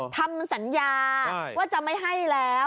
ทำสัญญาว่าจะไม่ให้แล้ว